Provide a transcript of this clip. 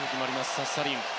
サス・サリン。